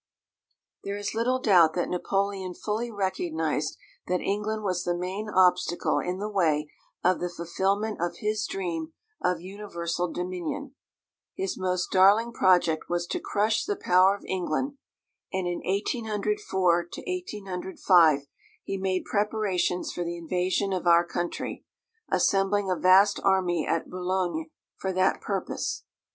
There is little doubt that Napoleon fully recognised that England was the main obstacle in the way of the fulfilment of his dream of universal dominion. His most darling project was to crush the power of England, and in 1804 5 he made preparations for the invasion of our country, assembling a vast army at Boulogne for that purpose.